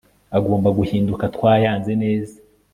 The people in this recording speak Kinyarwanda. agomba guhinduka twayanze neza